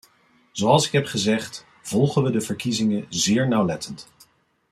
Zoals ik heb gezegd, volgen we de verkiezingen zeer nauwlettend.